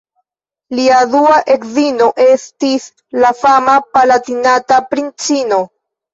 Lia dua edzino estis la fama Palatinata princino.